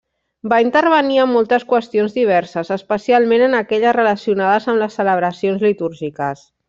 Va intervenir en moltes qüestions diverses especialment en aquelles relacionades amb les celebracions litúrgiques.